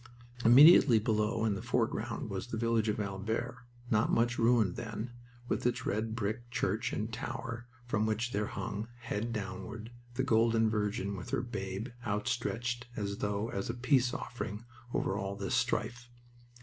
Immediately below, in the foreground, was the village of Albert, not much ruined then, with its red brick church and tower from which there hung, head downward, the Golden Virgin with her Babe outstretched as though as a peace offering over all this strife.